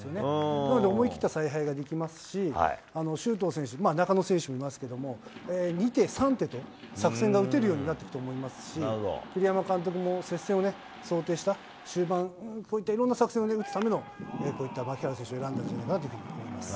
なので思い切った采配ができますし、周東選手、なかの選手もいますけど、２手、３手と作戦が打てるようになったと思いますし、栗山監督も接戦を想定した終盤、いろんな作戦を打つための、こういった牧原選手を選んだんじゃないかと思いますね。